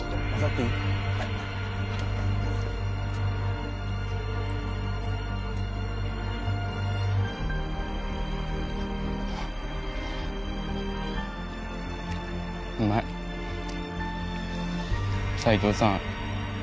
はいうまい斎藤さん